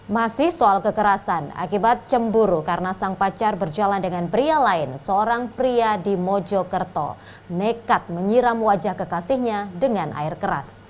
masih soal kekerasan akibat cemburu karena sang pacar berjalan dengan pria lain seorang pria di mojokerto nekat menyiram wajah kekasihnya dengan air keras